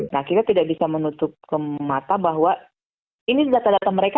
nah kita tidak bisa menutup ke mata bahwa ini data data mereka